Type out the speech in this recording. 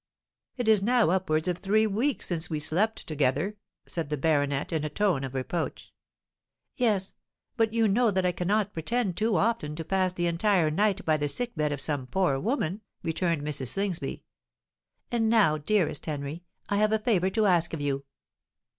"It is now upwards of three weeks since we slept together," said the baronet, in a tone of reproach. "Yes—but you know that I cannot pretend too often to pass the entire night by the sick bed of some poor woman," returned Mrs. Slingsby. "And now, dearest Henry, I have a favour to ask of you."